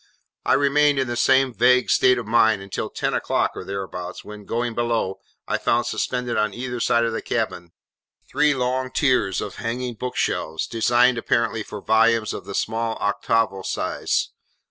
I remained in the same vague state of mind until ten o'clock or thereabouts, when going below, I found suspended on either side of the cabin, three long tiers of hanging bookshelves, designed apparently for volumes of the small octavo size.